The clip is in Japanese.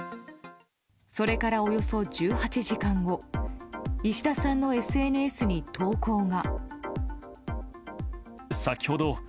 それからおよそ１８時間後石田さんのＳＮＳに投稿が。